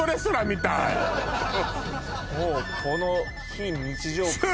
もうこの非日常感